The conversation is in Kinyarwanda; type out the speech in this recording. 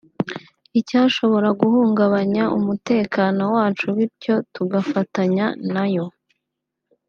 icyashobora guhungabanya umutekano wacu bityo tugafatanya nayo”